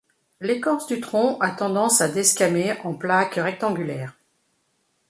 L'écorce du tronc a tendance à desquamer en plaques rectangulaires.